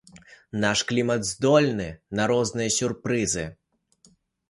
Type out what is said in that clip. Наш клімат здольны на розныя сюрпрызы.